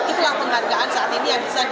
itulah penghargaan saat ini yang bisa di